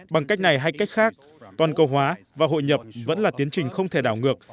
bằng cách này hay cách khác toàn cầu hóa và hội nhập vẫn là tiến trình không thể đảo ngược